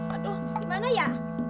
aduh gimana ya